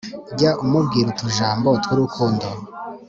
jya umubwira utujambo tw’urukundo,